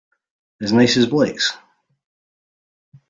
As nice as Blake's?